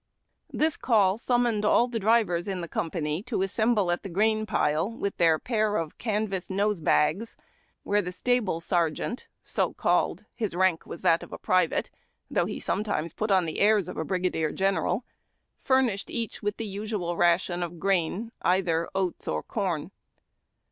This call summoned all the drivers in the company to assemble at the grain pile with their pair of canvas nose bags, where the stable sergeant, so called (his rank was that of a private, though he sometimes put on the airs of a brig adier general), furnished each with the usual ration of grain, either oats or corn.